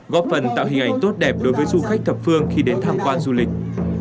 góp phần tạo hình ảnh tốt đẹp đối với du khách thập phương khi đến tham quan du lịch